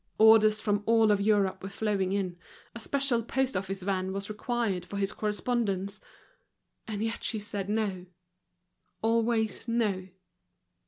Orders from all Europe were flowing in, a special post office van was required for his correspondence; and yet she said no, always no.